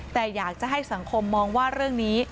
แต่อยากจะให้สังคมมองว่าเรื่องนี้